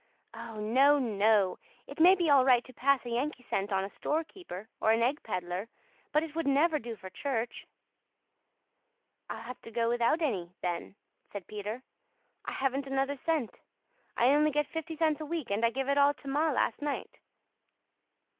"Oh, no, no. It may be all right to pass a Yankee cent on a store keeper or an egg peddler, but it would never do for church." "I'll have to go without any, then," said Peter. "I haven't another cent. I only get fifty cents a week and I give it all to ma last night."